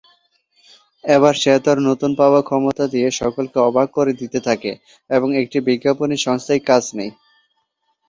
এবার সে তার নতুন পাওয়া ক্ষমতা দিয়ে সকলকে অবাক করে দিতে থাকে এবং একটি বিজ্ঞাপনী সংস্থায় কাজ নেয়।